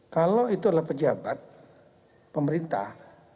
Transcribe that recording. kalau itu adalah pejabat pemerintah